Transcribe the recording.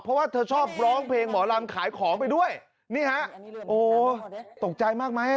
เพราะว่าเธอชอบร้องเพลงหมอลำขายของไปด้วยนี่ฮะโอ้ตกใจมากไหม